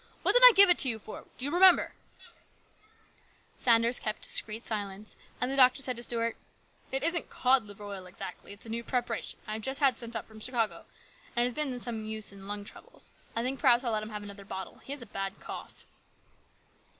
What did I give it to you for ? Do you remember ?" Sanders kept discreet silence, and the doctor said to Stuart :" It isn't cod liver oil exactly, it's a new preparation that I have just had sent up from Chicago, and it has been of some use in lung troubles. I think perhaps I'll let him have another bottle. He has a bad cough."